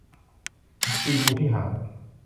ตีงูที่หาง